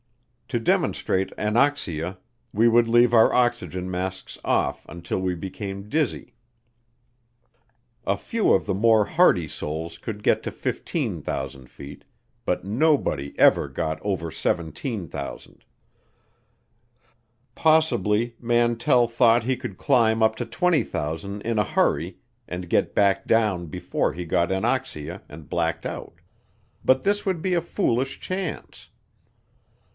To demonstrate anoxia we would leave our oxygen masks off until we became dizzy. A few of the more hardy souls could get to 15,000 feet, but nobody ever got over 17,000. Possibly Mantell thought he could climb up to 20,000 in a hurry and get back down before he got anoxia and blacked out, but this would be a foolish chance.